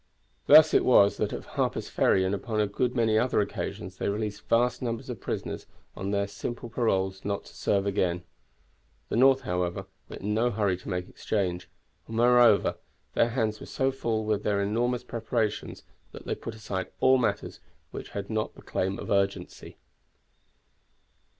Thus it was that at Harper's Ferry and upon a good many other occasions they released vast numbers of prisoners on their simple paroles not to serve again. The North, however, were in no hurry to make exchange; and moreover, their hands were so full with their enormous preparations that they put aside all matters which had not the claim of urgency.